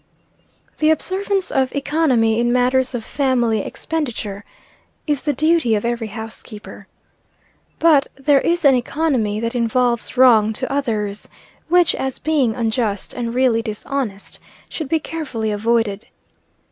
THE observance of economy in matters of family expenditure, is the duty of every housekeeper. But, there is an economy that involves wrong to others, which, as being unjust and really dishonest, should be carefully avoided.